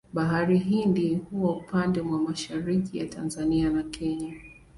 Bahari Hindi huwa upande mwa mashariki ya Tanzania na Kenya.